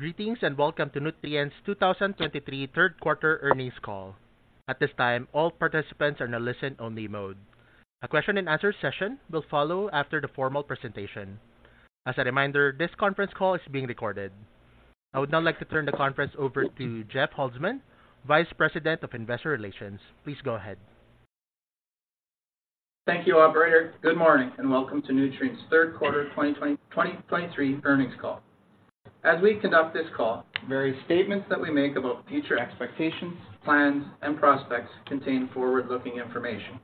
Greetings, and welcome to Nutrien's 2023 third quarter earnings call. At this time, all participants are in a listen-only mode. A question-and-answer session will follow after the formal presentation. As a reminder, this conference call is being recorded. I would now like to turn the conference over to Jeff Holzman, Vice President of Investor Relations. Please go ahead. Thank you, operator. Good morning, and welcome to Nutrien's third quarter 2023 earnings call. As we conduct this call, various statements that we make about future expectations, plans, and prospects contain forward-looking information.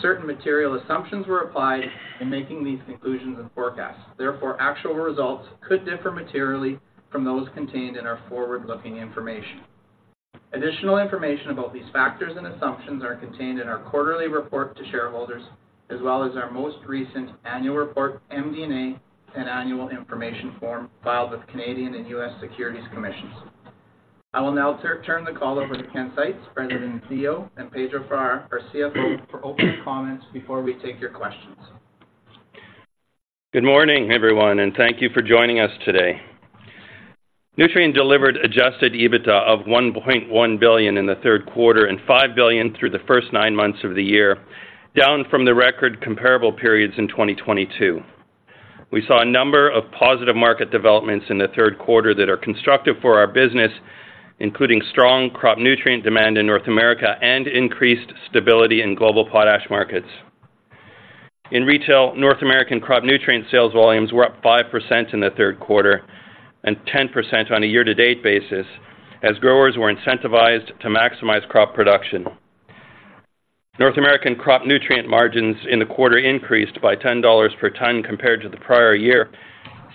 Certain material assumptions were applied in making these conclusions and forecasts. Therefore, actual results could differ materially from those contained in our forward-looking information. Additional information about these factors and assumptions are contained in our quarterly report to shareholders, as well as our most recent annual report, MD&A, and annual information form filed with Canadian and U.S. Securities Commissions. I will now turn the call over to Ken Seitz, President and CEO, and Pedro Farah, our CFO, for opening comments before we take your questions. Good morning, everyone, and thank you for joining us today. Nutrien delivered adjusted EBITDA of $1.1 billion in the third quarter and $5 billion through the first nine months of the year, down from the record comparable periods in 2022. We saw a number of positive market developments in the third quarter that are constructive for our business, including strong crop nutrient demand in North America and increased stability in global potash markets. In retail, North American crop nutrient sales volumes were up 5% in the third quarter and 10% on a year-to-date basis, as growers were incentivized to maximize crop production. North American crop nutrient margins in the quarter increased by $10 per ton compared to the prior year,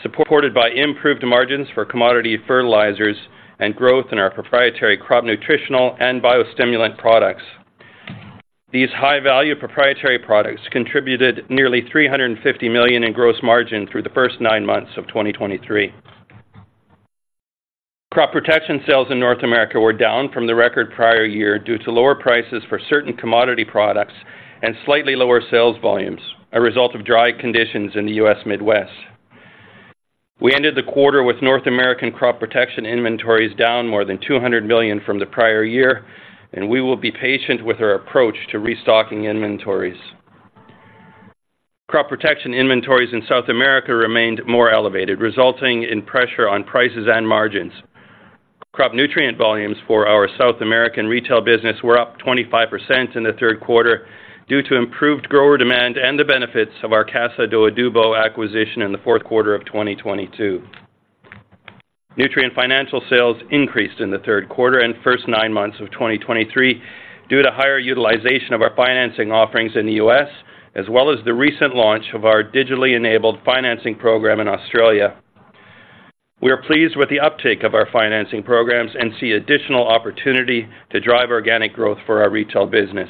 supported by improved margins for commodity fertilizers and growth in our proprietary crop nutritional and biostimulant products. These high-value proprietary products contributed nearly $350 million in gross margin through the first nine months of 2023. Crop protection sales in North America were down from the record prior year due to lower prices for certain commodity products and slightly lower sales volumes, a result of dry conditions in the U.S. Midwest. We ended the quarter with North American crop protection inventories down more than $200 million from the prior year, and we will be patient with our approach to restocking inventories. Crop protection inventories in South America remained more elevated, resulting in pressure on prices and margins. Crop nutrient volumes for our South American retail business were up 25% in the third quarter due to improved grower demand and the benefits of our Casa do Adubo acquisition in the fourth quarter of 2022. Nutrien Financial sales increased in the third quarter and first nine months of 2023 due to higher utilization of our financing offerings in the U.S., as well as the recent launch of our digitally-enabled financing program in Australia. We are pleased with the uptake of our financing programs and see additional opportunity to drive organic growth for our retail business.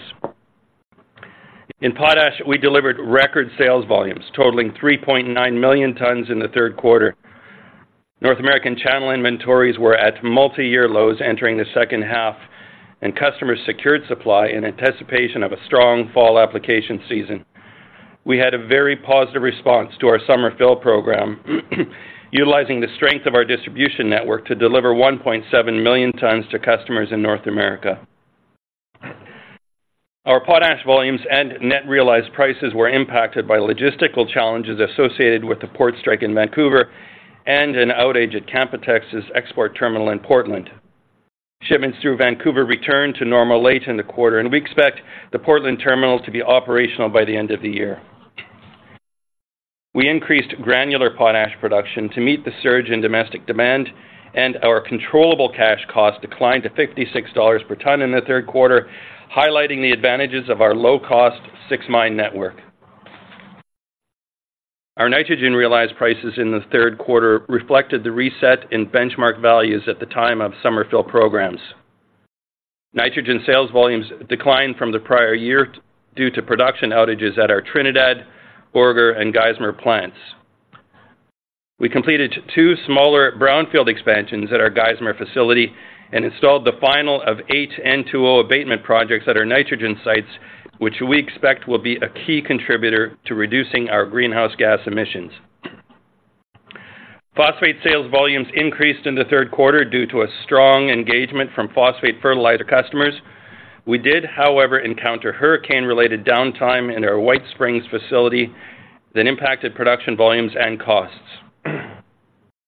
In potash, we delivered record sales volumes totaling 3.9 million tons in the third quarter. North American channel inventories were at multi-year lows entering the second half, and customers secured supply in anticipation of a strong fall application season. We had a very positive response to our summer fill program, utilizing the strength of our distribution network to deliver 1.7 million tons to customers in North America. Our potash volumes and net realized prices were impacted by logistical challenges associated with the port strike in Vancouver and an outage at the Canpotex export terminal in Portland. Shipments through Vancouver returned to normal late in the quarter, and we expect the Portland terminal to be operational by the end of the year. We increased granular potash production to meet the surge in domestic demand, and our controllable cash cost declined to $56 per ton in the third quarter, highlighting the advantages of our low-cost six-mine network. Our nitrogen realized prices in the third quarter reflected the reset in benchmark values at the time of summer fill programs. Nitrogen sales volumes declined from the prior year due to production outages at our Trinidad, Borger, and Geismar plants. We completed 2 smaller brownfield expansions at our Geismar facility and installed the final of 8 N2O abatement projects at our nitrogen sites, which we expect will be a key contributor to reducing our greenhouse gas emissions. Phosphate sales volumes increased in the third quarter due to a strong engagement from phosphate fertilizer customers. We did, however, encounter hurricane-related downtime in our White Springs facility that impacted production volumes and costs.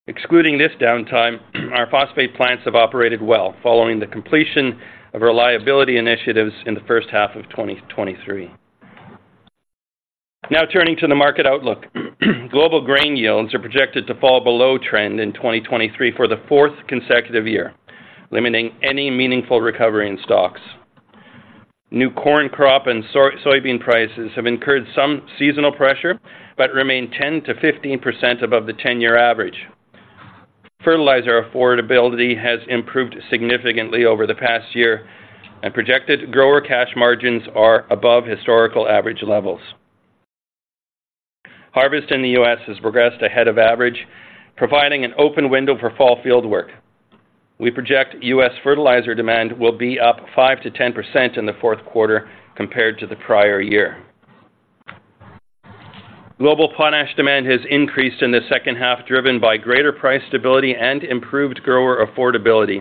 Excluding this downtime, our phosphate plants have operated well following the completion of reliability initiatives in the first half of 2023. Now, turning to the market outlook. Global grain yields are projected to fall below trend in 2023 for the fourth consecutive year, limiting any meaningful recovery in stocks. New corn crop and soy, soybean prices have incurred some seasonal pressure but remain 10%-15% above the 10-year average. Fertilizer affordability has improved significantly over the past year, and projected grower cash margins are above historical average levels. Harvest in the U.S., has progressed ahead of average, providing an open window for fall field work. We project U.S., fertilizer demand will be up 5%-10% in the fourth quarter compared to the prior year... Global potash demand has increased in the second half, driven by greater price stability and improved grower affordability,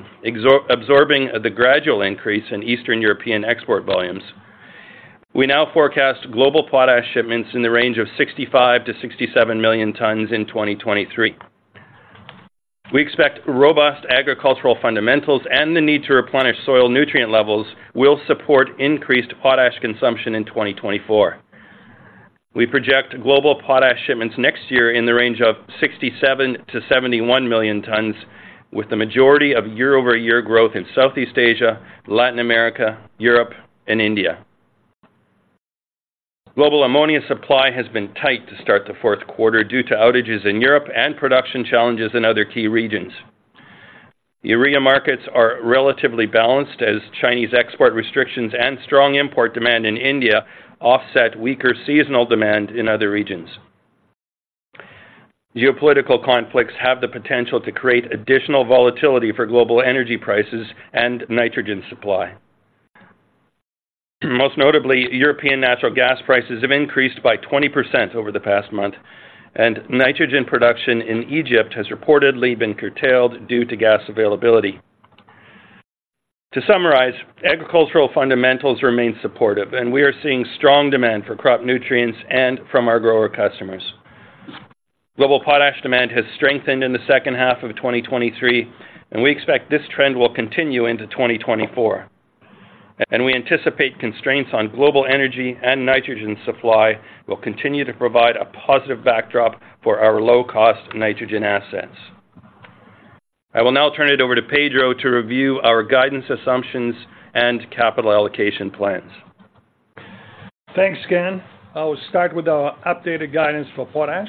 absorbing the gradual increase in Eastern European export volumes. We now forecast global potash shipments in the range of 65-67 million tons in 2023. We expect robust agricultural fundamentals and the need to replenish soil nutrient levels will support increased potash consumption in 2024. We project global potash shipments next year in the range of 67-71 million tons, with the majority of year-over-year growth in Southeast Asia, Latin America, Europe, and India. Global ammonia supply has been tight to start the fourth quarter due to outages in Europe and production challenges in other key regions. Urea markets are relatively balanced, as Chinese export restrictions and strong import demand in India offset weaker seasonal demand in other regions. Geopolitical conflicts have the potential to create additional volatility for global energy prices and nitrogen supply. Most notably, European natural gas prices have increased by 20% over the past month, and nitrogen production in Egypt has reportedly been curtailed due to gas availability. To summarize, agricultural fundamentals remain supportive, and we are seeing strong demand for crop nutrients and from our grower customers. Global potash demand has strengthened in the second half of 2023, and we expect this trend will continue into 2024. We anticipate constraints on global energy and nitrogen supply will continue to provide a positive backdrop for our low-cost nitrogen assets. I will now turn it over to Pedro to review our guidance assumptions and capital allocation plans. Thanks, Ken. I will start with our updated guidance for potash.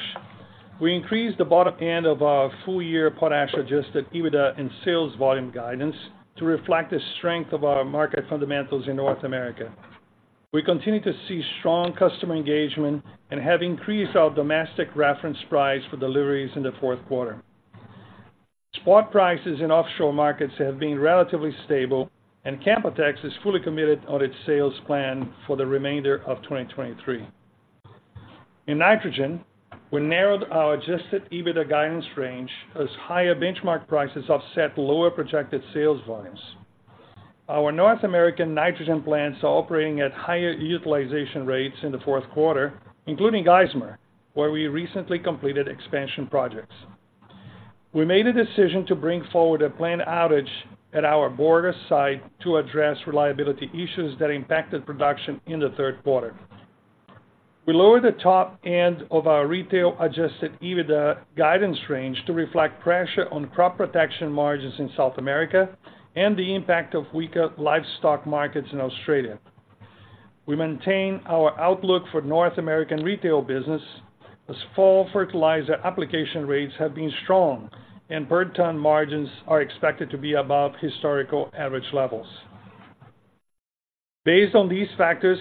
We increased the bottom end of our full-year potash Adjusted EBITDA and sales volume guidance to reflect the strength of our market fundamentals in North America. We continue to see strong customer engagement and have increased our domestic reference price for deliveries in the fourth quarter. Spot prices in offshore markets have been relatively stable, and Canpotex is fully committed on its sales plan for the remainder of 2023. In nitrogen, we narrowed our Adjusted EBITDA guidance range as higher benchmark prices offset lower projected sales volumes. Our North American nitrogen plants are operating at higher utilization rates in the fourth quarter, including Geismar, where we recently completed expansion projects. We made a decision to bring forward a planned outage at our Borger site to address reliability issues that impacted production in the third quarter. We lowered the top end of our retail Adjusted EBITDA guidance range to reflect pressure on crop protection margins in South America and the impact of weaker livestock markets in Australia. We maintain our outlook for North American retail business, as fall fertilizer application rates have been strong and per-ton margins are expected to be above historical average levels. Based on these factors,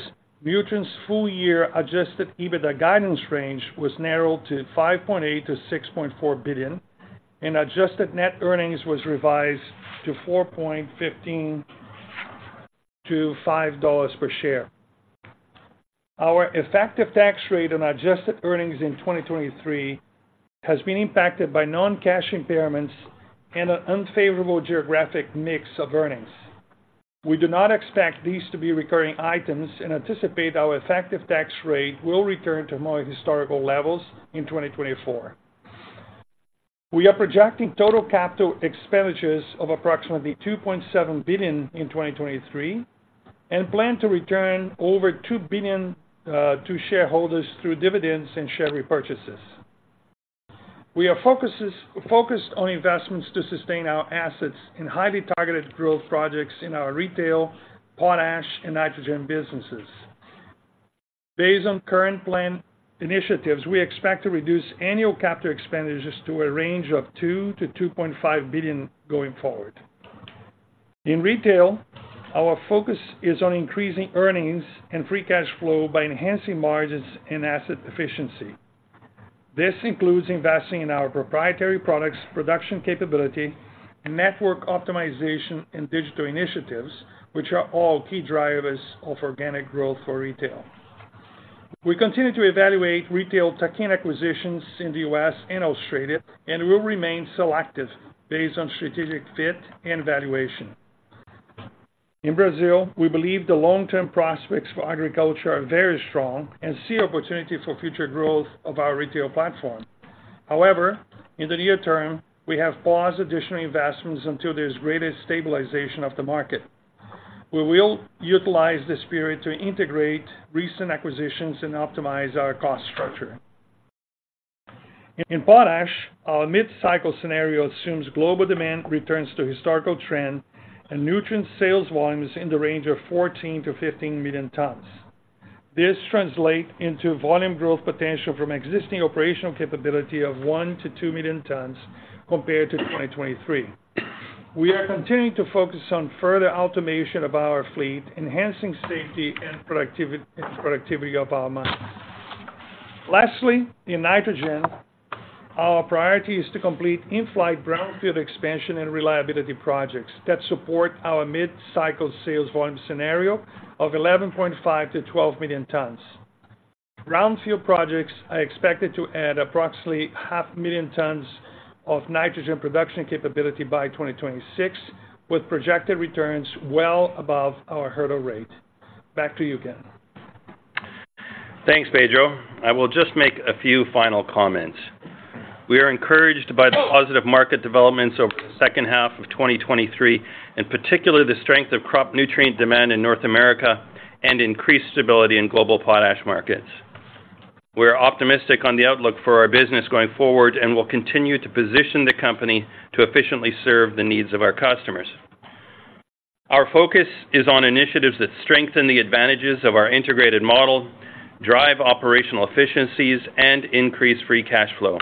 Nutrien's full-year Adjusted EBITDA guidance range was narrowed to $5.8 billion-$6.4 billion, and adjusted net earnings was revised to $4.15-$5 per share. Our effective tax rate on adjusted earnings in 2023 has been impacted by non-cash impairments and an unfavorable geographic mix of earnings. We do not expect these to be recurring items and anticipate our effective tax rate will return to more historical levels in 2024. We are projecting total capital expenditures of approximately $2.7 billion in 2023 and plan to return over $2 billion to shareholders through dividends and share repurchases. We are focused on investments to sustain our assets in highly targeted growth projects in our retail, potash, and nitrogen businesses. Based on current plan initiatives, we expect to reduce annual capital expenditures to a range of $2-$2.5 billion going forward. In retail, our focus is on increasing earnings and free cash flow by enhancing margins and asset efficiency. This includes investing in our proprietary products, production capability, and network optimization and digital initiatives, which are all key drivers of organic growth for retail. We continue to evaluate retail tech and acquisitions in the U.S., and Australia and will remain selective based on strategic fit and valuation. In Brazil, we believe the long-term prospects for agriculture are very strong and see opportunity for future growth of our retail platform. However, in the near term, we have paused additional investments until there's greater stabilization of the market. We will utilize this period to integrate recent acquisitions and optimize our cost structure. In potash, our mid-cycle scenario assumes global demand returns to historical trend and Nutrien sales volumes in the range of 14-15 million tons. This translates into volume growth potential from existing operational capability of 1-2 million tons compared to 2023. We are continuing to focus on further automation of our fleet, enhancing safety and productivity of our mines. Lastly, in nitrogen. Our priority is to complete in-flight brownfield expansion and reliability projects that support our mid-cycle sales volume scenario of 11.5-12 million tons. Brownfield projects are expected to add approximately 500,000 tons of nitrogen production capability by 2026, with projected returns well above our hurdle rate. Back to you, Ken. Thanks, Pedro. I will just make a few final comments. We are encouraged by the positive market developments over the second half of 2023, and particularly the strength of crop nutrient demand in North America and increased stability in global potash markets. We're optimistic on the outlook for our business going forward, and we'll continue to position the company to efficiently serve the needs of our customers. Our focus is on initiatives that strengthen the advantages of our integrated model, drive operational efficiencies, and increase free cash flow.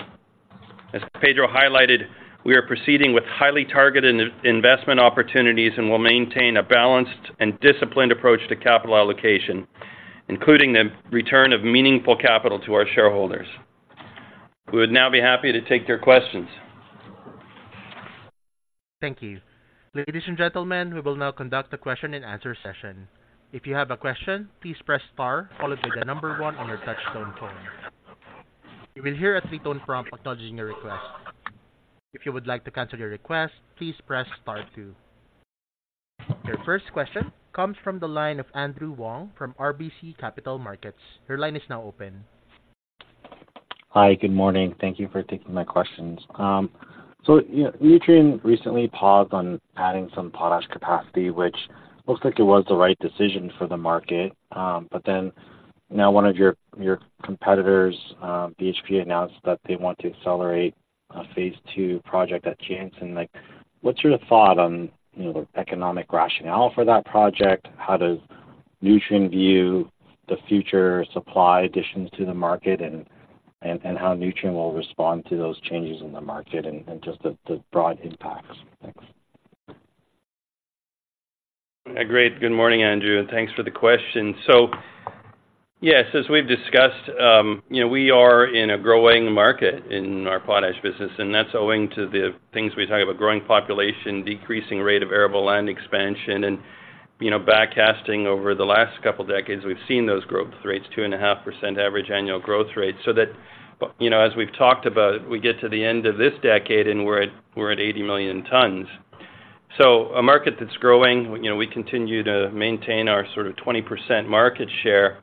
As Pedro highlighted, we are proceeding with highly targeted investment opportunities and will maintain a balanced and disciplined approach to capital allocation, including the return of meaningful capital to our shareholders. We would now be happy to take your questions. Thank you. Ladies and gentlemen, we will now conduct a question-and-answer session. If you have a question, please press Star, followed by the number 1 on your touchtone phone. You will hear a 3-tone prompt acknowledging your request. If you would like to cancel your request, please press Star 2. Your first question comes from the line of Andrew Wong from RBC Capital Markets. Your line is now open. Hi, good morning. Thank you for taking my questions. So, you know, Nutrien recently paused on adding some potash capacity, which looks like it was the right decision for the market. But then, now one of your competitors, BHP, announced that they want to accelerate a phase two project at Jansen. Like, what's your thought on, you know, the economic rationale for that project? How does Nutrien view the future supply additions to the market, and how Nutrien will respond to those changes in the market, and just the broad impacts? Thanks. Great. Good morning, Andrew, and thanks for the question. So yes, as we've discussed, you know, we are in a growing market in our potash business, and that's owing to the things we talk about, growing population, decreasing rate of arable land expansion, and, you know, backcasting over the last couple of decades, we've seen those growth rates, 2.5% average annual growth rate. So that, you know, as we've talked about, we get to the end of this decade, and we're at, we're at 80 million tons. So a market that's growing, you know, we continue to maintain our sort of 20% market share,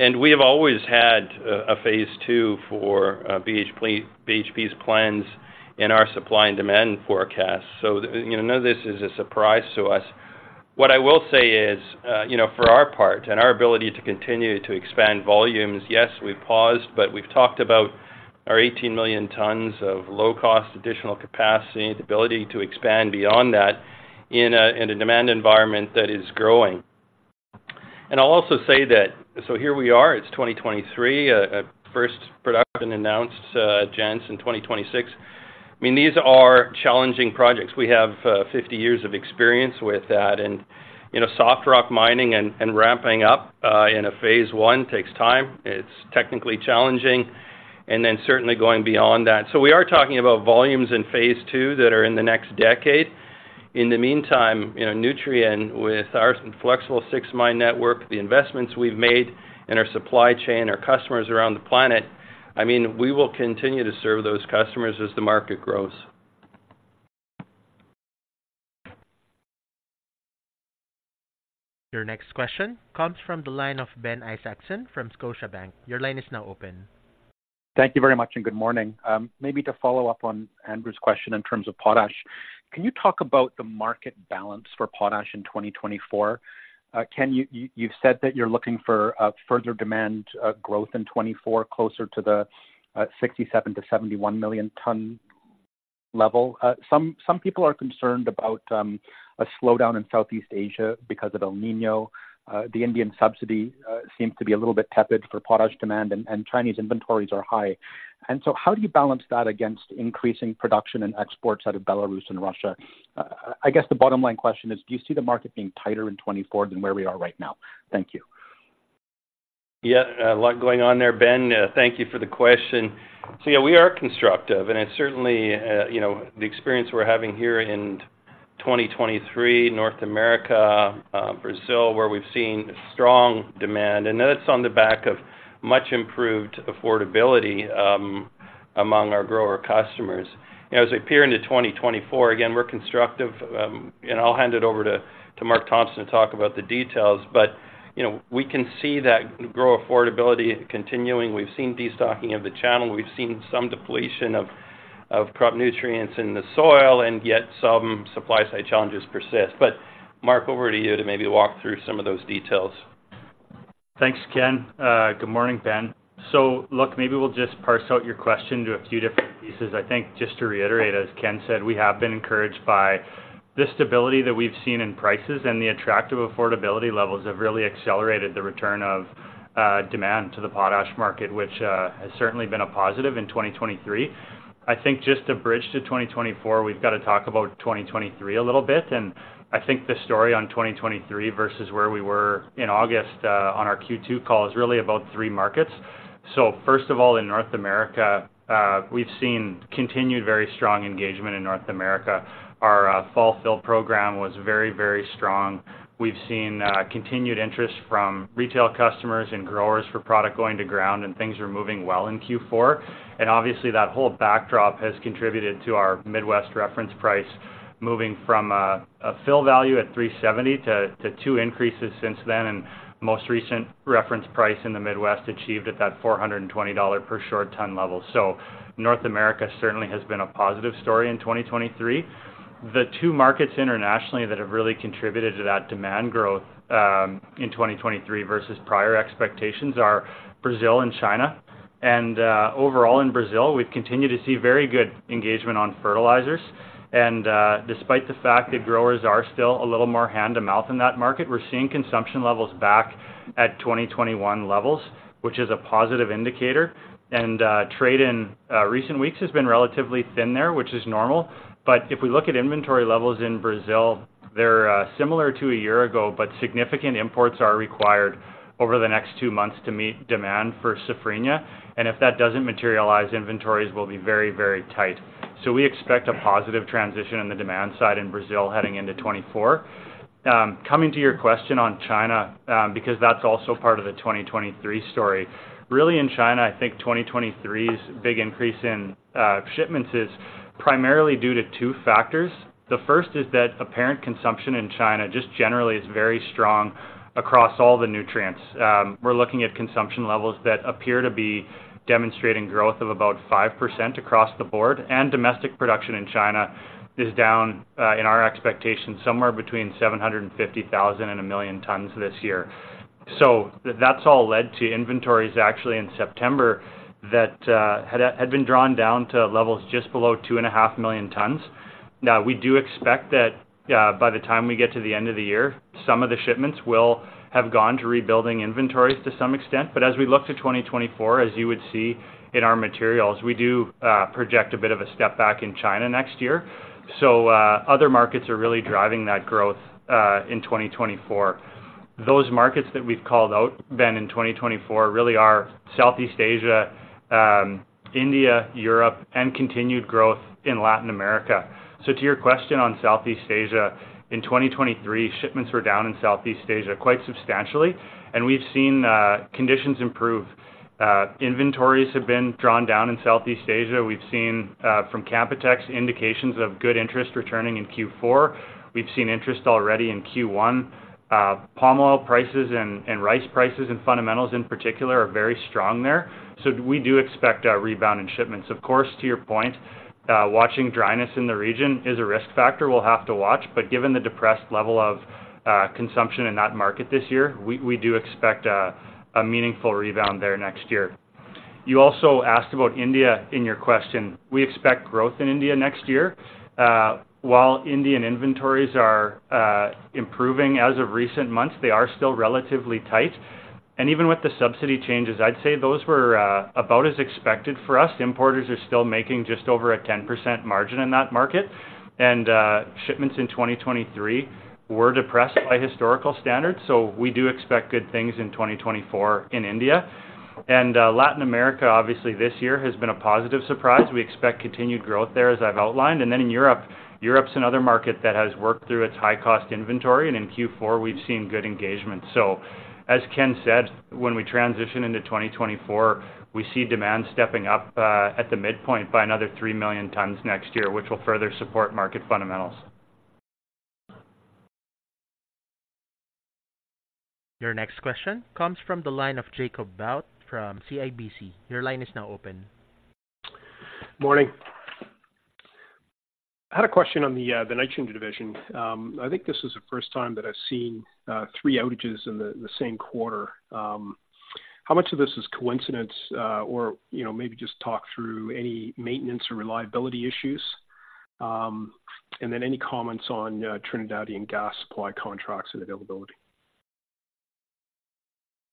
and we have always had a, a phase two for, BHP, BHP's plans in our supply and demand forecast. So, you know, none of this is a surprise to us. What I will say is, you know, for our part and our ability to continue to expand volumes, yes, we've paused, but we've talked about our 18 million tons of low-cost additional capacity and the ability to expand beyond that in a demand environment that is growing. And I'll also say that... So here we are, it's 2023, first production announced, Jansen in 2026. I mean, these are challenging projects. We have 50 years of experience with that, and, you know, soft rock mining and ramping up in a phase one takes time. It's technically challenging, and then certainly going beyond that. So we are talking about volumes in phase two that are in the next decade. In the meantime, you know, Nutrien, with our flexible six-mine network, the investments we've made in our supply chain, our customers around the planet, I mean, we will continue to serve those customers as the market grows. Your next question comes from the line of Ben Isaacson from Scotiabank. Your line is now open. Thank you very much, and good morning. Maybe to follow up on Andrew's question in terms of potash, can you talk about the market balance for potash in 2024? Can you—you've said that you're looking for a further demand growth in 2024, closer to the 67-71 million ton level. Some people are concerned about a slowdown in Southeast Asia because of El Niño. The Indian subsidy seems to be a little bit tepid for potash demand, and Chinese inventories are high. And so how do you balance that against increasing production and exports out of Belarus and Russia? I guess the bottom line question is: do you see the market being tighter in 2024 than where we are right now? Thank you. Yeah, a lot going on there, Ben. Thank you for the question. So yeah, we are constructive, and it's certainly, you know, the experience we're having here in 2023, North America, Brazil, where we've seen strong demand, and that's on the back of much improved affordability, among our grower customers. You know, as we appear into 2024, again, we're constructive, and I'll hand it over to Mark Thompson to talk about the details. But, you know, we can see that grower affordability continuing. We've seen destocking of the channel. We've seen some depletion of crop nutrients in the soil, and yet some supply-side challenges persist. But Mark, over to you to maybe walk through some of those details. Thanks, Ken. Good morning, Ben. So look, maybe we'll just parse out your question to a few different pieces. I think just to reiterate, as Ken said, we have been encouraged by the stability that we've seen in prices, and the attractive affordability levels have really accelerated the return of demand to the potash market, which has certainly been a positive in 2023. I think just to bridge to 2024, we've got to talk about 2023 a little bit, and I think the story on 2023 versus where we were in August on our Q2 call is really about three markets. So first of all, in North America, we've seen continued very strong engagement in North America. Our fall fill program was very, very strong. We've seen continued interest from retail customers and growers for product going to ground, and things are moving well in Q4. Obviously, that whole backdrop has contributed to our Midwest reference price moving from a fill value at $370 to two increases since then, and most recent reference price in the Midwest achieved at that $420 per short ton level. North America certainly has been a positive story in 2023. The two markets internationally that have really contributed to that demand growth in 2023 versus prior expectations are Brazil and China. Overall, in Brazil, we've continued to see very good engagement on fertilizers. Despite the fact that growers are still a little more hand-to-mouth in that market, we're seeing consumption levels back at 2021 levels, which is a positive indicator. Trade in recent weeks has been relatively thin there, which is normal. But if we look at inventory levels in Brazil, they're similar to a year ago, but significant imports are required over the next two months to meet demand for Safrinha. And if that doesn't materialize, inventories will be very, very tight. So we expect a positive transition on the demand side in Brazil heading into 2024. Coming to your question on China, because that's also part of the 2023 story. Really, in China, I think 2023's big increase in shipments is primarily due to two factors. The first is that apparent consumption in China just generally is very strong across all the nutrients. We're looking at consumption levels that appear to be demonstrating growth of about 5% across the board, and domestic production in China is down, in our expectations, somewhere between 750,000 and 1 million tons this year. So that's all led to inventories actually in September that had been drawn down to levels just below 2.5 million tons. Now we do expect that, by the time we get to the end of the year, some of the shipments will have gone to rebuilding inventories to some extent. But as we look to 2024, as you would see in our materials, we do project a bit of a step back in China next year. So, other markets are really driving that growth, in 2024. Those markets that we've called out then in 2024 really are Southeast Asia, India, Europe, and continued growth in Latin America. So to your question on Southeast Asia, in 2023, shipments were down in Southeast Asia quite substantially, and we've seen conditions improve. Inventories have been drawn down in Southeast Asia. We've seen from Canpotex indications of good interest returning in Q4. We've seen interest already in Q1. Palm oil prices and rice prices and fundamentals in particular are very strong there, so we do expect a rebound in shipments. Of course, to your point, watching dryness in the region is a risk factor we'll have to watch, but given the depressed level of consumption in that market this year, we do expect a meaningful rebound there next year. You also asked about India in your question. We expect growth in India next year. While Indian inventories are improving as of recent months, they are still relatively tight. Even with the subsidy changes, I'd say those were about as expected for us. Importers are still making just over a 10% margin in that market, and shipments in 2023 were depressed by historical standards, so we do expect good things in 2024 in India. Latin America, obviously this year, has been a positive surprise. We expect continued growth there, as I've outlined. Then in Europe, Europe's another market that has worked through its high-cost inventory, and in Q4 we've seen good engagement. So as Ken said, when we transition into 2024, we see demand stepping up at the midpoint by another 3 million tons next year, which will further support market fundamentals. Your next question comes from the line of Jacob Bout from CIBC. Your line is now open. Morning. I had a question on the, the nitrogen division. I think this is the first time that I've seen, three outages in the, the same quarter. How much of this is coincidence? Or, you know, maybe just talk through any maintenance or reliability issues. And then any comments on, Trinidadian gas supply contracts and availability?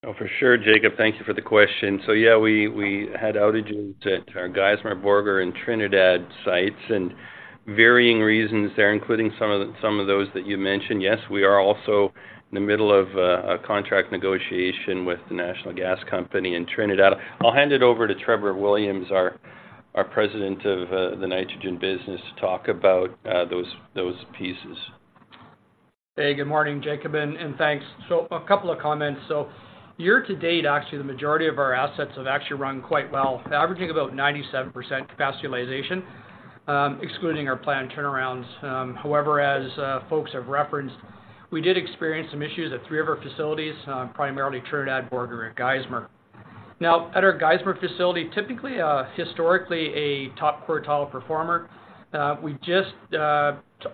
Oh, for sure, Jacob, thank you for the question. So yeah, we, we had outages at our Geismar, Borger, and Trinidad sites, and varying reasons there, including some of, some of those that you mentioned. Yes, we are also in the middle of a, a contract negotiation with the National Gas Company in Trinidad. I'll hand it over to Trevor Williams, our, our president of, the nitrogen business, to talk about, those, those pieces. Hey, good morning, Jacob, and thanks. So a couple of comments. So year to date, actually, the majority of our assets have actually run quite well, averaging about 97% capacity utilization, excluding our planned turnarounds. However, as folks have referenced, we did experience some issues at three of our facilities, primarily Trinidad, Borger, and Geismar. Now, at our Geismar facility, typically, historically, a top quartile performer, we just took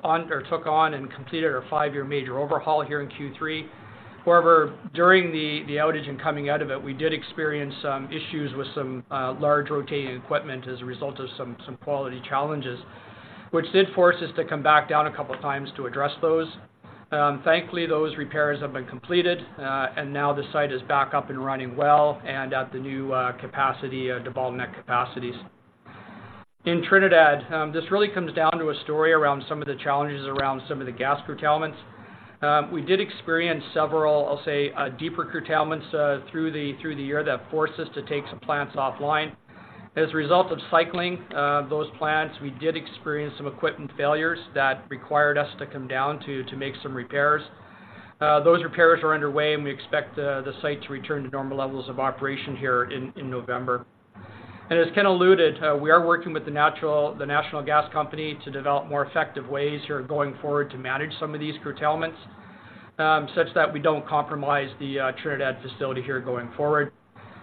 on and completed a five-year major overhaul here in Q3. However, during the outage and coming out of it, we did experience some issues with some large rotating equipment as a result of some quality challenges, which did force us to come back down a couple of times to address those. Thankfully, those repairs have been completed, and now the site is back up and running well and at the new capacity, bottleneck capacities. In Trinidad, this really comes down to a story around some of the challenges around some of the gas curtailments. We did experience several, I'll say, deeper curtailments through the year that forced us to take some plants offline. As a result of cycling those plants, we did experience some equipment failures that required us to come down to make some repairs. Those repairs are underway, and we expect the site to return to normal levels of operation here in November. And as Ken alluded, we are working with the National Gas Company to develop more effective ways here going forward to manage some of these curtailments, such that we don't compromise the Trinidad facility here going forward.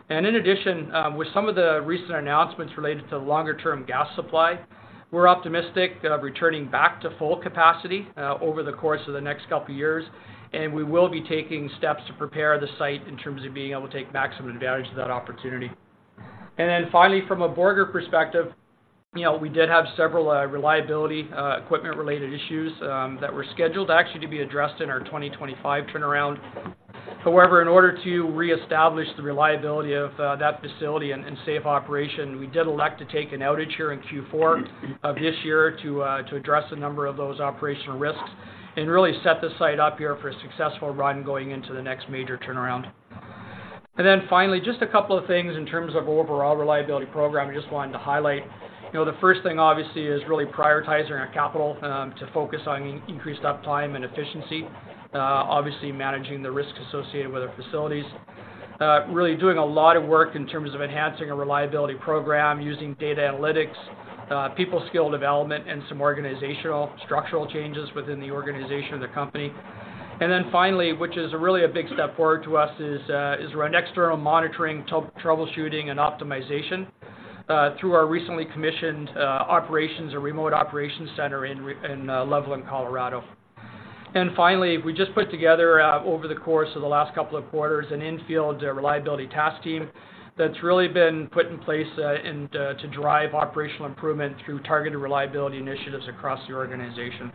And in addition, with some of the recent announcements related to longer-term gas supply, we're optimistic of returning back to full capacity over the course of the next couple of years, and we will be taking steps to prepare the site in terms of being able to take maximum advantage of that opportunity. And then finally, from a Borger perspective, you know, we did have several reliability equipment-related issues that were scheduled actually to be addressed in our 2025 turnaround. However, in order to reestablish the reliability of that facility and safe operation, we did elect to take an outage here in Q4 of this year to address a number of those operational risks and really set the site up here for a successful run going into the next major turnaround. And then finally, just a couple of things in terms of overall reliability program. I just wanted to highlight, you know, the first thing obviously is really prioritizing our capital to focus on increased uptime and efficiency. Obviously, managing the risk associated with our facilities. Really doing a lot of work in terms of enhancing our reliability program, using data analytics, people skill development, and some organizational structural changes within the organization of the company. And then finally, which is really a big step forward to us, is around external monitoring, troubleshooting and optimization through our recently commissioned operations or remote operations center in Loveland, Colorado. And finally, we just put together over the course of the last couple of quarters, an infield reliability task team that's really been put in place and to drive operational improvement through targeted reliability initiatives across the organization.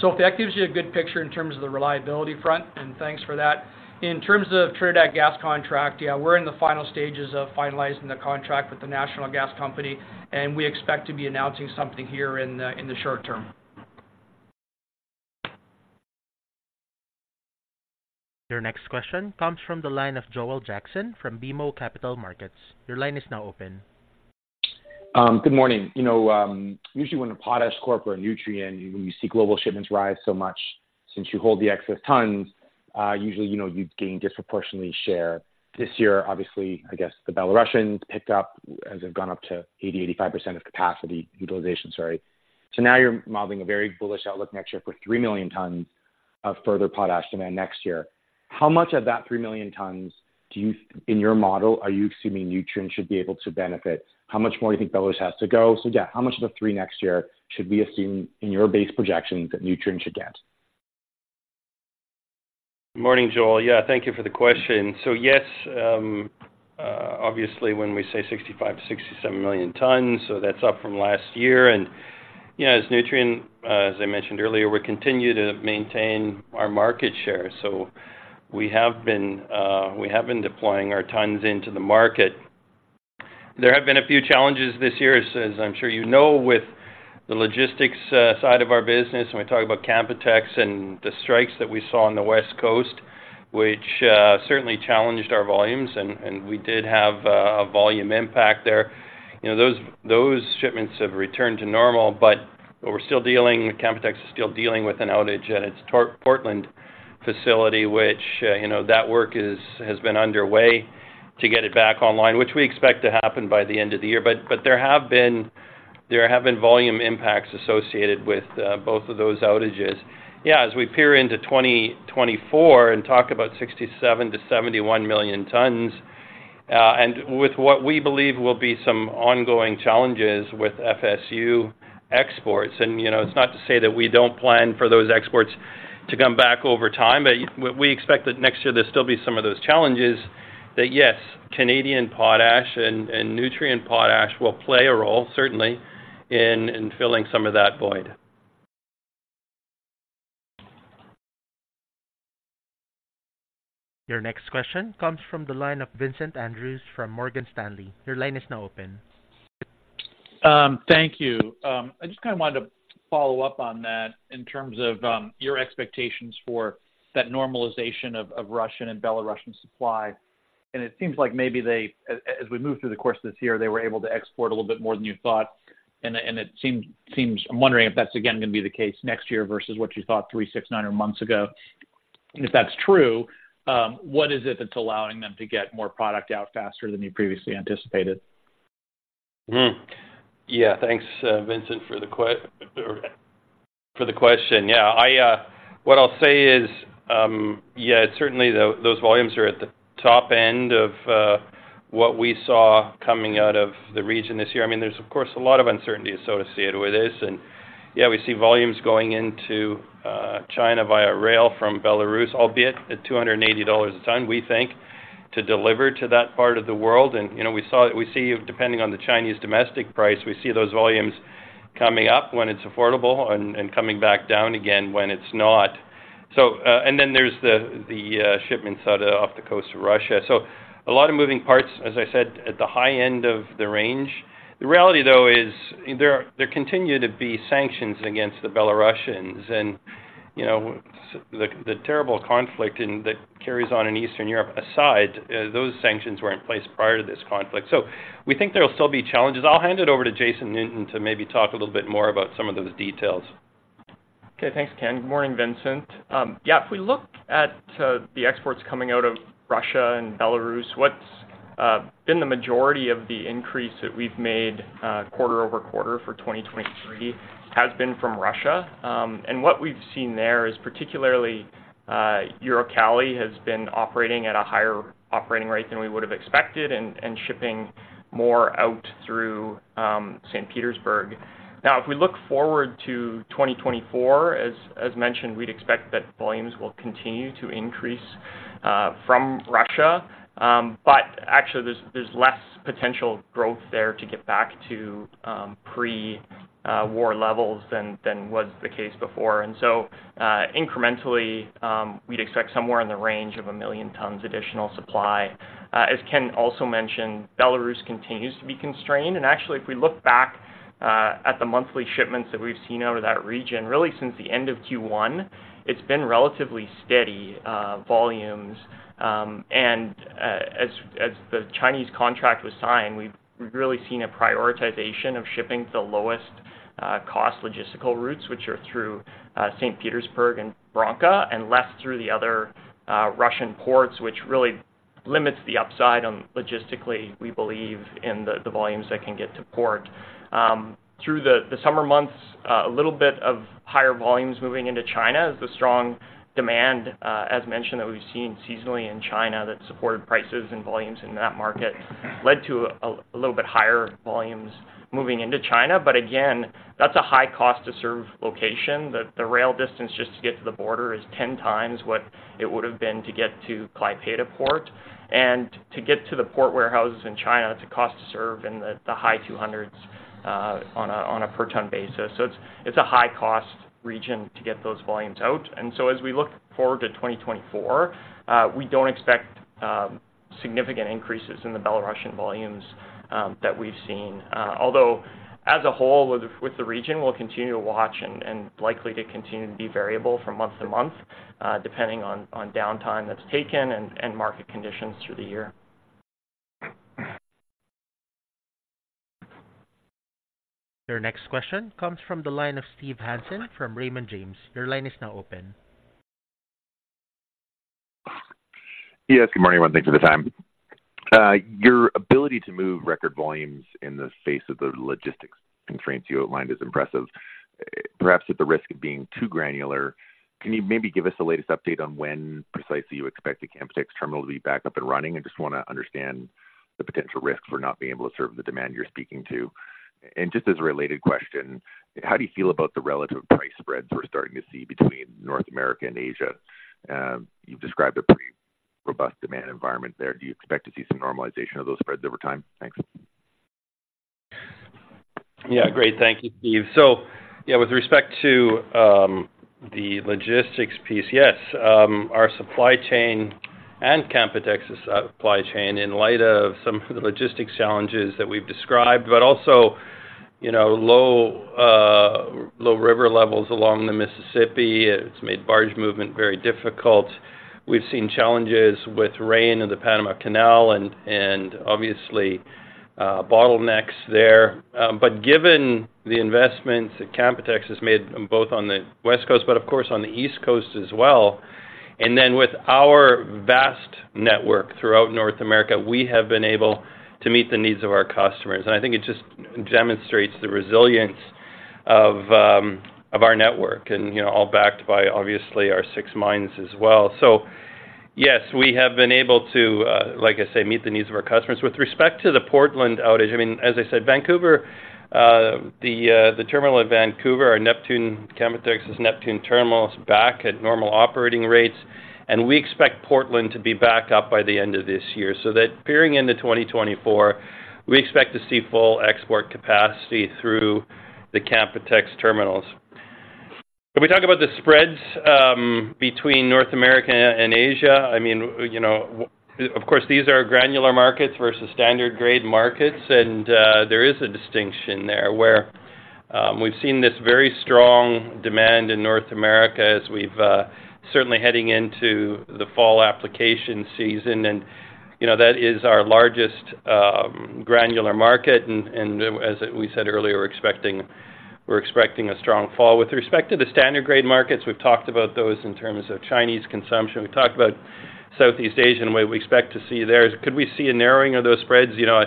So if that gives you a good picture in terms of the reliability front, and thanks for that. In terms of Trinidad gas contract, yeah, we're in the final stages of finalizing the contract with the National Gas Company, and we expect to be announcing something here in the short term. Your next question comes from the line of Joel Jackson from BMO Capital Markets. Your line is now open. Good morning. You know, usually when a potashCorp or a Nutrien, when you see global shipments rise so much since you hold the excess tons, usually, you know, you gain disproportionately share. This year, obviously, I guess the Belarusians picked up as they've gone up to 85% of capacity, utilization, sorry. So now you're modeling a very bullish outlook next year for 3 million tons of further potash demand next year. How much of that 3 million tons do you, in your model, are you assuming Nutrien should be able to benefit? How much more do you think Belarus has to go? So yeah, how much of the 3 next year should we assume in your base projection that Nutrien should get? Morning, Joel. Yeah, thank you for the question. So yes, obviously, when we say 65-67 million tons, so that's up from last year. And, you know, as Nutrien, as I mentioned earlier, we continue to maintain our market share. So we have been, we have been deploying our tons into the market. There have been a few challenges this year, as I'm sure you know, with the logistics, side of our business. When we talk about Canpotex and the strikes that we saw on the West Coast, which, certainly challenged our volumes, and, and we did have, a volume impact there. You know, those, those shipments have returned to normal, but we're still dealing, Canpotex is still dealing with an outage at its Portland facility, which, you know, that work has been underway to get it back online, which we expect to happen by the end of the year. But, but there have been, there have been volume impacts associated with both of those outages. Yeah, as we peer into 2024 and talk about 67-71 million tons, and with what we believe will be some ongoing challenges with FSU exports, and, you know, it's not to say that we don't plan for those exports to come back over time, but we expect that next year there'll still be some of those challenges, that, yes, Canadian potash and Nutrien potash will play a role, certainly, in filling some of that void. Your next question comes from the line of Vincent Andrews from Morgan Stanley. Your line is now open. Thank you. I just kinda wanted to follow up on that in terms of your expectations for that normalization of Russian and Belarusian supply. And it seems like maybe they, as we move through the course of this year, they were able to export a little bit more than you thought. And it seems... I'm wondering if that's again gonna be the case next year versus what you thought three, six, nine months ago. If that's true, what is it that's allowing them to get more product out faster than you previously anticipated? Hmm. Yeah, thanks, Vincent, for the question. Yeah, I, what I'll say is, yeah, certainly those volumes are at the top end of what we saw coming out of the region this year. I mean, there's, of course, a lot of uncertainty associated with this. And, yeah, we see volumes going into China via rail from Belarus, albeit at $280 a ton, we think, to deliver to that part of the world. And, you know, we see, depending on the Chinese domestic price, we see those volumes coming up when it's affordable and coming back down again when it's not. So, and then there's the shipments out, off the coast of Russia. So a lot of moving parts, as I said, at the high end of the range. The reality, though, is there continue to be sanctions against the Belarusians. And, you know, the terrible conflict and that carries on in Eastern Europe aside, those sanctions were in place prior to this conflict. So we think there will still be challenges. I'll hand it over to Jason Newton to maybe talk a little bit more about some of those details. Okay. Thanks, Ken. Good morning, Vincent. Yeah, if we look at the exports coming out of Russia and Belarus, what's been the majority of the increase that we've made quarter over quarter for 2023 has been from Russia. And what we've seen there is particularly Uralkali has been operating at a higher operating rate than we would have expected and shipping more out through St. Petersburg. Now, if we look forward to 2024, as mentioned, we'd expect that volumes will continue to increase from Russia. But actually, there's less potential growth there to get back to pre-war levels than was the case before. And so, incrementally, we'd expect somewhere in the range of 1 million tons additional supply. As Ken also mentioned, Belarus continues to be constrained. Actually, if we look back at the monthly shipments that we've seen out of that region, really since the end of Q1, it's been relatively steady volumes. As the Chinese contract was signed, we've really seen a prioritization of shipping to the lowest cost logistical routes, which are through St. Petersburg and Bronka, and less through the other Russian ports, which really limits the upside on logistically, we believe, in the volumes that can get to port. Through the summer months, a little bit of higher volumes moving into China as the strong demand, as mentioned, that we've seen seasonally in China that supported prices and volumes in that market, led to a little bit higher volumes moving into China. But again, that's a high cost to serve location. The rail distance just to get to the border is 10 times what it would have been to get to Klaipeda Port. And to get to the port warehouses in China, it's a cost to serve in the high $200s on a per ton basis. So it's a high cost region to get those volumes out. And so as we look forward to 2024, we don't expect significant increases in the Belarusian volumes that we've seen. Although, as a whole, with the region, we'll continue to watch and likely to continue to be variable from month to month, depending on downtime that's taken and market conditions through the year. Your next question comes from the line of Steve Hansen from Raymond James. Your line is now open. Yes, good morning, everyone. Thanks for the time. Your ability to move record volumes in the face of the logistics constraints you outlined is impressive. Perhaps at the risk of being too granular, can you maybe give us the latest update on when precisely you expect the Canpotex terminal to be back up and running? I just wanna understand the potential risks for not being able to serve the demand you're speaking to. And just as a related question, how do you feel about the relative price spreads we're starting to see between North America and Asia? You've described a pretty robust demand environment there. Do you expect to see some normalization of those spreads over time? Thanks. Yeah, great. Thank you, Steve. So, yeah, with respect to the logistics piece, yes, our supply chain and Canpotex's supply chain, in light of some of the logistics challenges that we've described, but also, you know, low river levels along the Mississippi, it's made barge movement very difficult. We've seen challenges with rain in the Panama Canal and obviously bottlenecks there. But given the investments that Canpotex has made, both on the West Coast, but of course, on the East Coast as well, and then with our vast network throughout North America, we have been able to meet the needs of our customers. And I think it just demonstrates the resilience of our network, and, you know, all backed by, obviously, our six mines as well. So yes, we have been able to, like I say, meet the needs of our customers. With respect to the Portland outage, I mean, as I said, Vancouver, the terminal of Vancouver, our Neptune, Canpotex's Neptune Terminal, is back at normal operating rates, and we expect Portland to be back up by the end of this year. So that peering into 2024, we expect to see full export capacity through the Canpotex terminals. If we talk about the spreads, between North America and Asia, I mean, you know, of course, these are granular markets versus standard grade markets, and there is a distinction there where, we've seen this very strong demand in North America as we've certainly heading into the fall application season. And, you know, that is our largest granular market. As we said earlier, we're expecting a strong fall. With respect to the standard grade markets, we've talked about those in terms of Chinese consumption. We've talked about Southeast Asia, and what we expect to see there. Could we see a narrowing of those spreads? You know,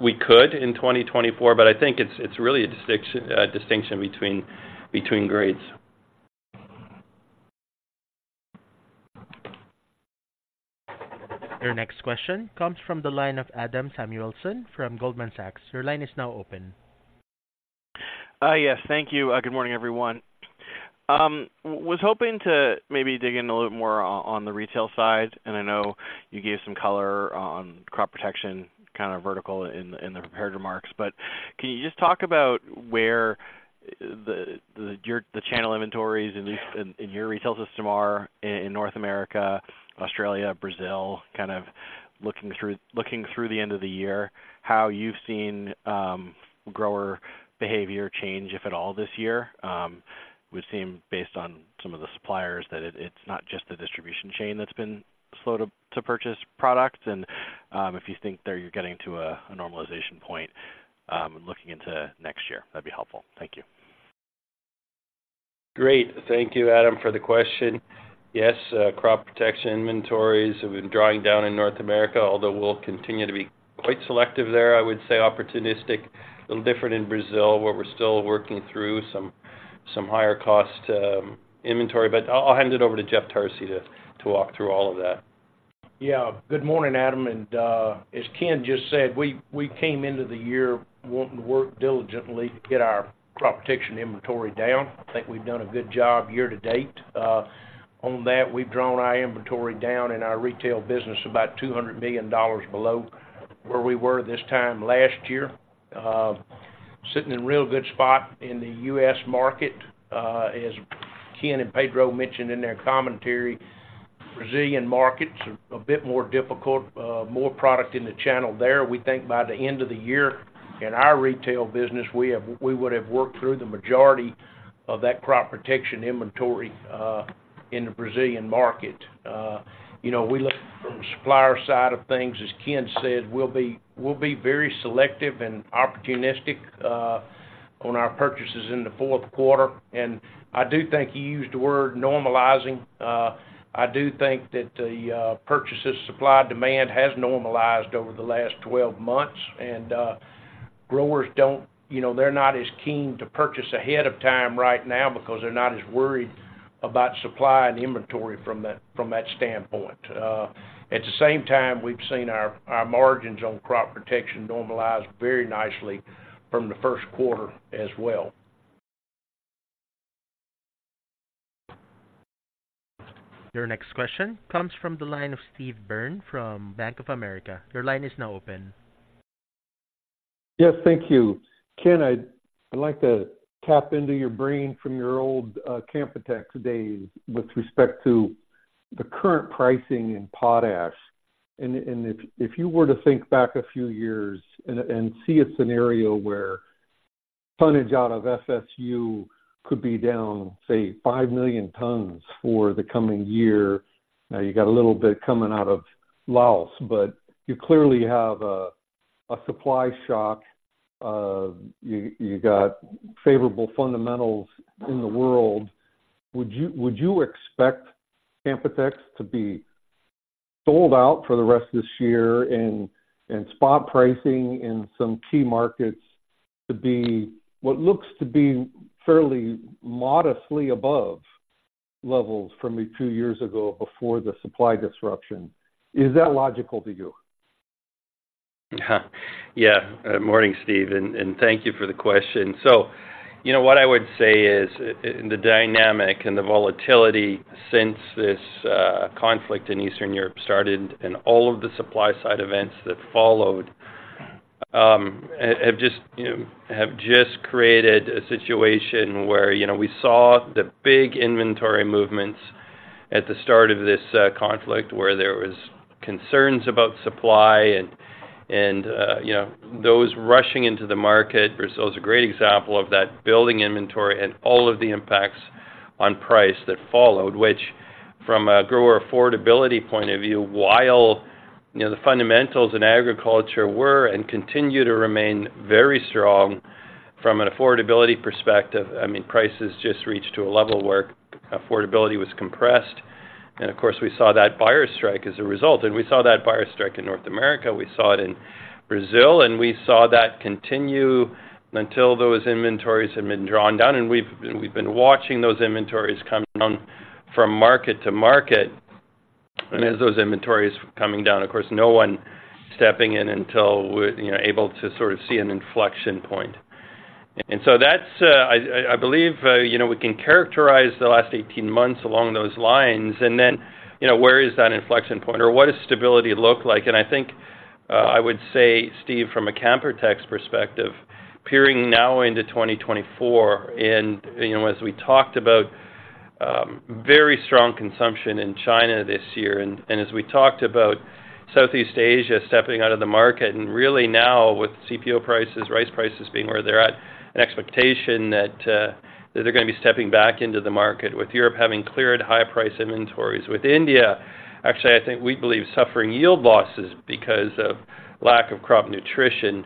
we could in 2024, but I think it's really a distinction between grades. Your next question comes from the line of Adam Samuelson from Goldman Sachs. Your line is now open. Yes, thank you. Good morning, everyone. Was hoping to maybe dig in a little more on the retail side, and I know you gave some color on crop protection, kind of vertical in the prepared remarks. But can you just talk about where-... the channel inventories, at least in your retail system, in North America, Australia, Brazil, kind of looking through the end of the year, how you've seen grower behavior change, if at all, this year. We've seen based on some of the suppliers that it's not just the distribution chain that's been slow to purchase products. And if you think that you're getting to a normalization point looking into next year, that'd be helpful. Thank you. Great. Thank you, Adam, for the question. Yes, crop protection inventories have been drawing down in North America, although we'll continue to be quite selective there. I would say opportunistic, a little different in Brazil, where we're still working through some higher cost inventory. But I'll hand it over to Jeff Tarsi to walk through all of that. Yeah. Good morning, Adam, and, as Ken just said, we came into the year wanting to work diligently to get our crop protection inventory down. I think we've done a good job year to date. On that, we've drawn our inventory down in our retail business about $200 million below where we were this time last year. Sitting in a real good spot in the U.S., market, as Ken and Pedro mentioned in their commentary. Brazilian markets are a bit more difficult, more product in the channel there. We think by the end of the year, in our retail business, we would have worked through the majority of that crop protection inventory, in the Brazilian market. You know, we look from the supplier side of things, as Ken said, we'll be, we'll be very selective and opportunistic on our purchases in the fourth quarter. And I do think you used the word normalizing. I do think that the purchases, supply, demand has normalized over the last 12 months, and growers don't... You know, they're not as keen to purchase ahead of time right now because they're not as worried about supply and inventory from that, from that standpoint. At the same time, we've seen our margins on crop protection normalize very nicely from the first quarter as well. Your next question comes from the line of Steve Byrne from Bank of America. Your line is now open. Yes, thank you. Ken, I'd, I'd like to tap into your brain from your old Canpotex days with respect to the current pricing in potash. And, and if, if you were to think back a few years and, and see a scenario where tonnage out of FSU could be down, say, 5 million tons for the coming year, now you got a little bit coming out of Laos, but you clearly have a supply shock. You got favorable fundamentals in the world. Would you, would you expect Canpotex to be sold out for the rest of this year and, and spot pricing in some key markets to be what looks to be fairly modestly above levels from a few years ago before the supply disruption? Is that logical to you? Yeah. Morning, Steve, and thank you for the question. So, you know, what I would say is, in the dynamic and the volatility since this conflict in Eastern Europe started, and all of the supply side events that followed, have just, you know, have just created a situation where, you know, we saw the big inventory movements at the start of this conflict, where there was concerns about supply and you know, those rushing into the market. Brazil is a great example of that, building inventory and all of the impacts on price that followed, which from a grower affordability point of view, while, you know, the fundamentals in agriculture were and continue to remain very strong from an affordability perspective, I mean, prices just reached to a level where affordability was compressed. Of course, we saw that buyer strike as a result. We saw that buyer strike in North America, we saw it in Brazil, and we saw that continue until those inventories have been drawn down, and we've been watching those inventories come down from market to market. And as those inventories coming down, of course, no one stepping in until we're, you know, able to sort of see an inflection point. And so that's, I believe, you know, we can characterize the last 18 months along those lines, and then, you know, where is that inflection point? Or what does stability look like? I think, I would say, Steve, from a Canpotex perspective, peering now into 2024, and, you know, as we talked about, very strong consumption in China this year, and, as we talked about Southeast Asia stepping out of the market, and really now with CPO prices, rice prices being where they're at, an expectation that, that they're gonna be stepping back into the market, with Europe having cleared high price inventories. With India, actually, I think we believe suffering yield losses because of lack of crop nutrition,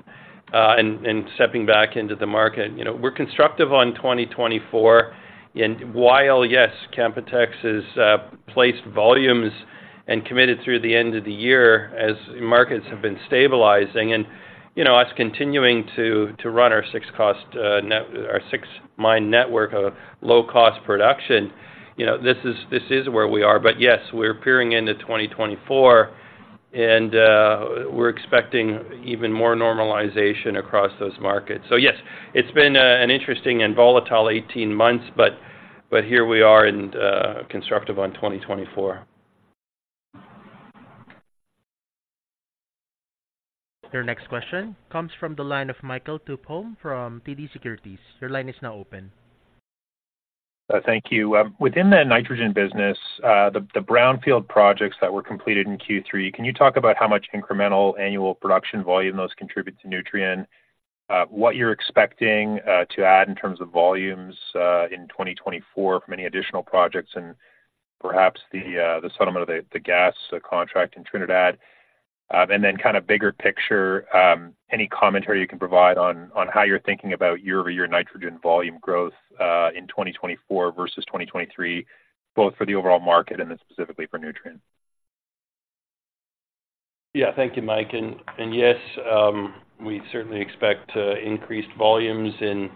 and stepping back into the market. You know, we're constructive on 2024, and while, yes, Canpotex has placed volumes and committed through the end of the year as markets have been stabilizing, and, you know, us continuing to run our six cost net our six mine network of low-cost production, you know, this is, this is where we are. But yes, we're peering into 2024, and we're expecting even more normalization across those markets. So yes, it's been an interesting and volatile 18 months, but here we are and constructive on 2024. ... Your next question comes from the line of Michael Tupholme from TD Securities. Your line is now open. Thank you. Within the nitrogen business, the brownfield projects that were completed in Q3, can you talk about how much incremental annual production volume those contribute to Nutrien? What you're expecting to add in terms of volumes in 2024 from any additional projects, and perhaps the settlement of the gas contract in Trinidad? And then kind of bigger picture, any commentary you can provide on how you're thinking about year-over-year nitrogen volume growth in 2024 versus 2023, both for the overall market and then specifically for Nutrien. Yeah. Thank you, Mike. And yes, we certainly expect increased volumes in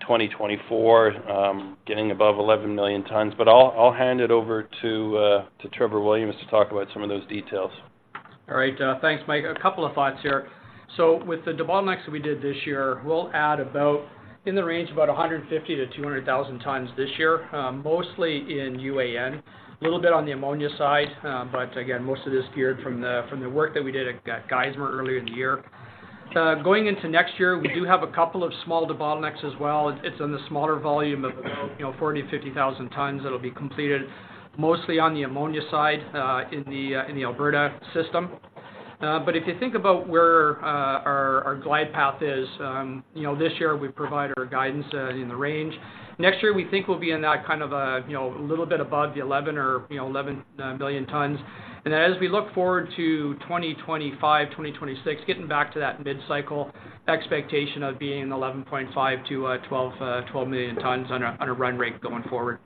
2024, getting above 11 million tons. But I'll hand it over to Trevor Williams to talk about some of those details. All right, thanks, Mike. A couple of thoughts here. So with the debottlenecks that we did this year, we'll add about, in the range of about 150-200,000 tons this year, mostly in UAN, a little bit on the ammonia side, but again, most of this geared from the, from the work that we did at, Geismar earlier in the year. Going into next year, we do have a couple of small debottlenecks as well. It's in the smaller volume of about, you know, 40-50,000 tons that'll be completed, mostly on the ammonia side, in the, in the Alberta system. But if you think about where, our, our glide path is, you know, this year we provide our guidance, in the range. Next year, we think we'll be in that kind of, you know, a little bit above the 11 or, you know, 11 million tons. And then as we look forward to 2025, 2026, getting back to that mid-cycle expectation of being 11.5-12 million tons on a run rate going forward.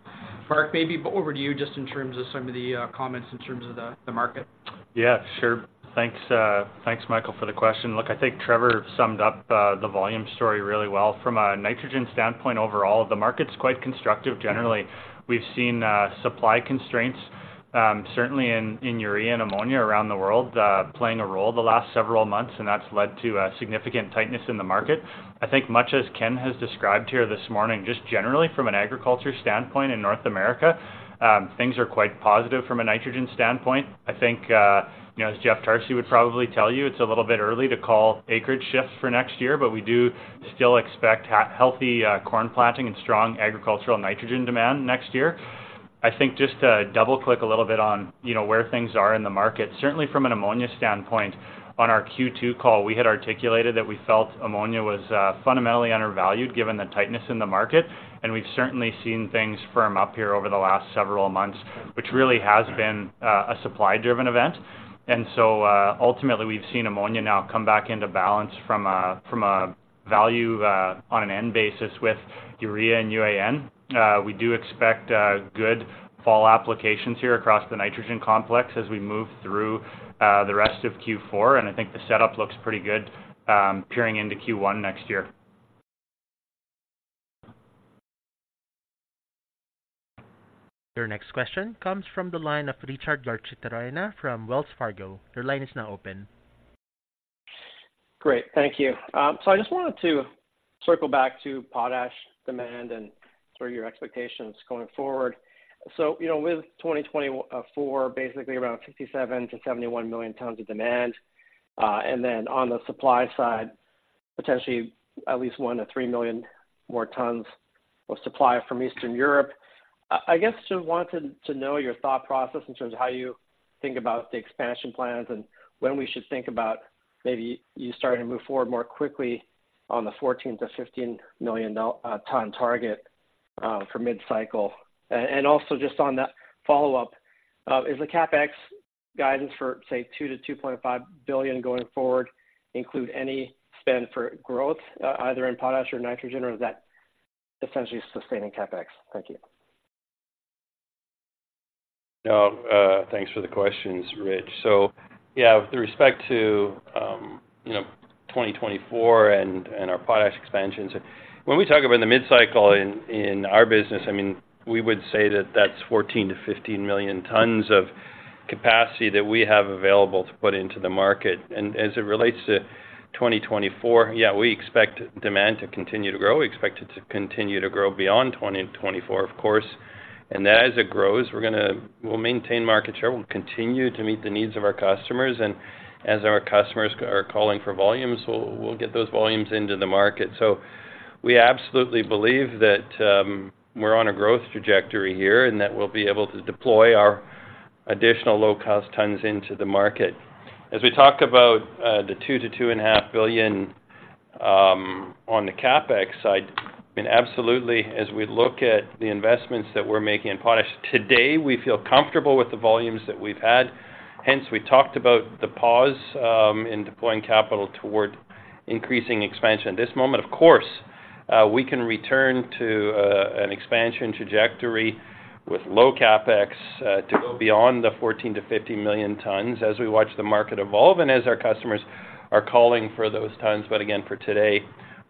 Mark, maybe over to you, just in terms of some of the comments in terms of the market. Yeah, sure. Thanks, thanks, Michael, for the question. Look, I think Trevor summed up the volume story really well. From a nitrogen standpoint overall, the market's quite constructive generally. We've seen supply constraints certainly in urea and ammonia around the world playing a role the last several months, and that's led to a significant tightness in the market. I think much as Ken has described here this morning, just generally from an agriculture standpoint in North America, things are quite positive from a nitrogen standpoint. I think you know, as Jeff Tarsi would probably tell you, it's a little bit early to call acreage shifts for next year, but we do still expect healthy corn planting and strong agricultural nitrogen demand next year. I think just to double-click a little bit on, you know, where things are in the market, certainly from an ammonia standpoint, on our Q2 call, we had articulated that we felt ammonia was fundamentally undervalued, given the tightness in the market, and we've certainly seen things firm up here over the last several months, which really has been a supply-driven event. And so, ultimately, we've seen ammonia now come back into balance from a value on an N basis with urea and UAN. We do expect good fall applications here across the nitrogen complex as we move through the rest of Q4, and I think the setup looks pretty good, peering into Q1 next year. Your next question comes from the line of Richard Garchitorena from Wells Fargo. Your line is now open. Great. Thank you. So I just wanted to circle back to potash demand and sort of your expectations going forward. So, you know, with 2024, basically around 57-71 million tons of demand, and then on the supply side, potentially at least 1-3 million more tons of supply from Eastern Europe. I guess just wanted to know your thought process in terms of how you think about the expansion plans and when we should think about maybe you starting to move forward more quickly on the 14-15 million ton target, for mid-cycle. And also just on that follow-up, is the CapEx guidance for, say, $2-$2.5 billion going forward, include any spend for growth, either in potash or nitrogen, or is that essentially sustaining CapEx? Thank you. No, thanks for the questions, Rich. So, yeah, with respect to, you know, 2024 and our potash expansions, when we talk about the mid-cycle in our business, I mean, we would say that that's 14-15 million tons of capacity that we have available to put into the market. And as it relates to 2024, yeah, we expect demand to continue to grow. We expect it to continue to grow beyond 2024, of course. And as it grows, we're gonna, we'll maintain market share, we'll continue to meet the needs of our customers, and as our customers are calling for volumes, we'll get those volumes into the market. So we absolutely believe that, we're on a growth trajectory here, and that we'll be able to deploy our additional low-cost tons into the market. As we talk about, the two to two and a half billion, on the CapEx side, I mean, absolutely, as we look at the investments that we're making in potash today, we feel comfortable with the volumes that we've had. Hence, we talked about the pause, in deploying capital toward increasing expansion. At this moment, of course, we can return to, an expansion trajectory with low CapEx, to go beyond the fourteen to fifteen million tons as we watch the market evolve and as our customers are calling for those tons. But again, for today,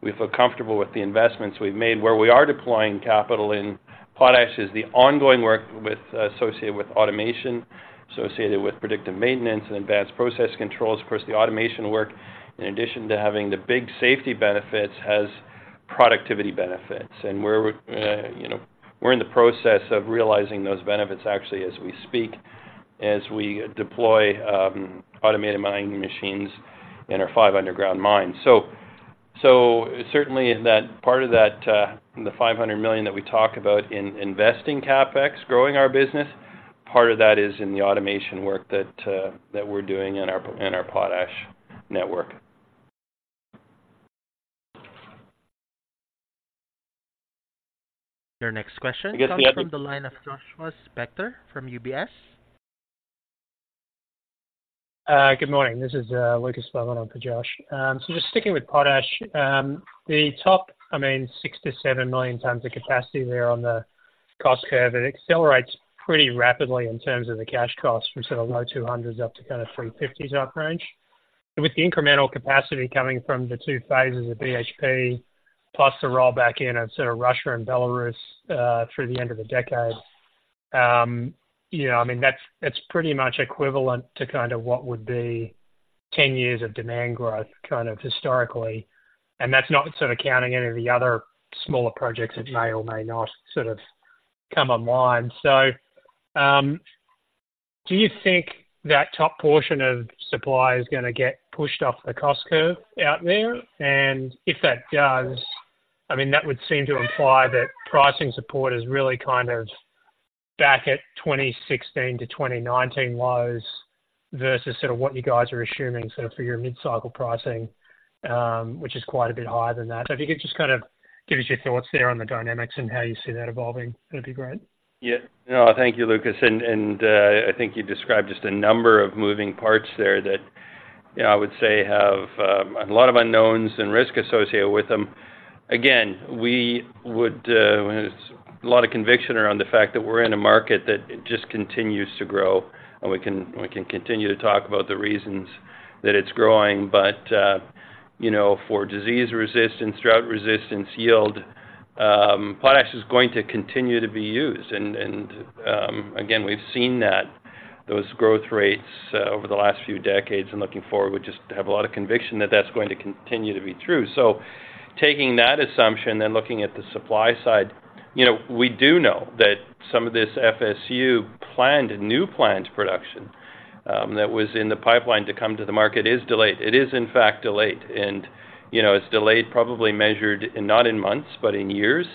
we feel comfortable with the investments we've made. Where we are deploying capital in potash is the ongoing work with, associated with automation, associated with predictive maintenance and advanced process controls. Of course, the automation work, in addition to having the big safety benefits, has productivity benefits. We're, you know, we're in the process of realizing those benefits actually, as we speak, as we deploy automated mining machines in our five underground mines. Certainly in that, part of that, the $500 million that we talk about in investing CapEx, growing our business, part of that is in the automation work that that we're doing in our, in our potash network. Your next question comes from the line of Joshua Spector from UBS. Good morning. This is Lucas Spelmon on for Josh. So just sticking with potash, the top, I mean, 60-70 million tonnes of capacity there on the cost curve, it accelerates pretty rapidly in terms of the cash costs from sort of low $200s up to kind of $350s range. With the incremental capacity coming from the two phases of BHP, plus the roll back in of sort of Russia and Belarus, through the end of the decade. You know, I mean, that's, that's pretty much equivalent to kind of what would be 10 years of demand growth, kind of historically. And that's not sort of counting any of the other smaller projects that may or may not sort of come online. So, do you think that top portion of supply is gonna get pushed off the cost curve out there? And if that does, I mean, that would seem to imply that pricing support is really kind of back at 2016-2019 lows versus sort of what you guys are assuming, sort of for your mid-cycle pricing, which is quite a bit higher than that. So if you could just kind of give us your thoughts there on the dynamics and how you see that evolving, that'd be great. Yeah. No, thank you, Lucas. And, I think you described just a number of moving parts there that, you know, I would say have a lot of unknowns and risk associated with them. Again, we would, there's a lot of conviction around the fact that we're in a market that it just continues to grow, and we can, we can continue to talk about the reasons that it's growing. But, you know, for disease resistance, drought resistance, yield, potash is going to continue to be used. And, again, we've seen that, those growth rates, over the last few decades, and looking forward, we just have a lot of conviction that that's going to continue to be true. So taking that assumption and looking at the supply side, you know, we do know that some of this FSU planned, new planned production that was in the pipeline to come to the market is delayed. It is in fact delayed, and, you know, it's delayed, probably measured not in months, but in years.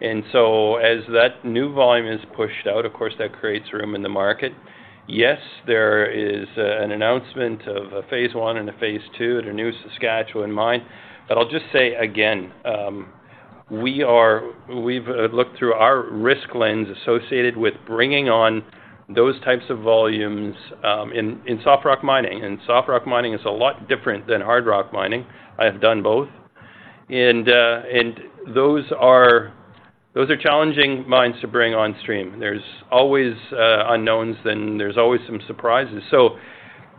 And so as that new volume is pushed out, of course, that creates room in the market. Yes, there is an announcement of a phase one and a phase two at a new Saskatchewan mine. But I'll just say again, we've looked through our risk lens associated with bringing on those types of volumes in soft rock mining, and soft rock mining is a lot different than hard rock mining. I have done both, and those are challenging mines to bring on stream. There's always unknowns, and there's always some surprises. So,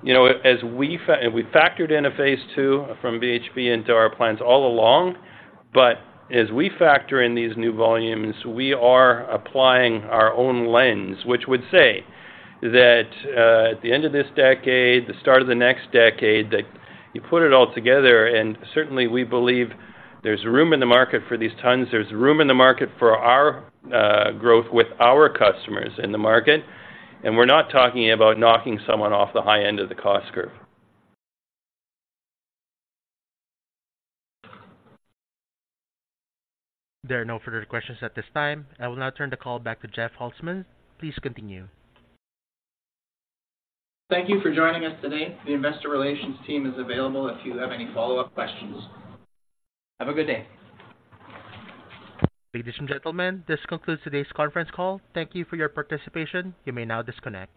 you know, as we factored in a phase two from BHP into our plans all along, but as we factor in these new volumes, we are applying our own lens, which would say that at the end of this decade, the start of the next decade, that you put it all together, and certainly, we believe there's room in the market for these tons. There's room in the market for our growth with our customers in the market, and we're not talking about knocking someone off the high end of the cost curve. There are no further questions at this time. I will now turn the call back to Jeff Holzman. Please continue. Thank you for joining us today. The investor relations team is available if you have any follow-up questions. Have a good day. Ladies and gentlemen, this concludes today's conference call. Thank you for your participation. You may now disconnect.